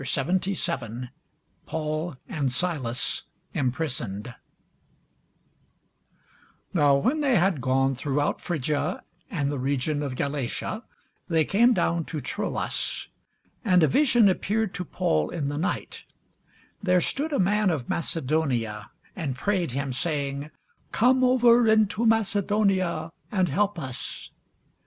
CHAPTER 77 PAUL AND SILAS IMPRISONED [Sidenote: The Acts 16] NOW when they had gone throughout Phrygia and the region of Galatia, they came down to Troas. And a vision appeared to Paul in the night; There stood a man of Macedonia, and prayed him, saying, Come over into Macedonia, and help us.